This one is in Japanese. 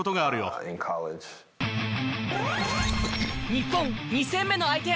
日本２戦目の相手